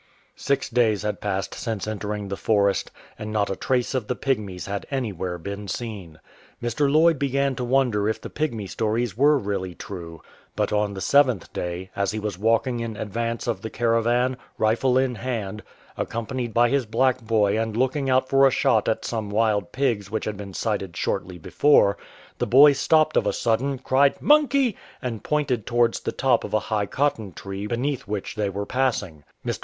Six days had passed since entering the forest, and not a trace of the Pygmies had anywhere been seen. ]Mr. Lloyd began to wonder if the Pygmy stories were really true. But on the seventh day, as he was walking in advance of the caravan, rifle in hand, accompanied by his black boy and looking out for a shot at some wild pigs which had been sighted shortly before, the boy stopped of a sudden, cried, "Monkey!" and pointed towards the top of a high cotton tree beneath which they were passing. Mr.